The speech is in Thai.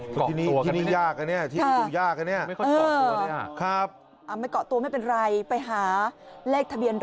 ดูตรงนั้นเนี่ยถึงนี่ยากนะเงี่ย